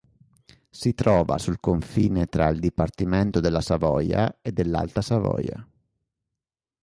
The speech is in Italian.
Si trova sul confine tra il dipartimento della Savoia e dell'Alta Savoia.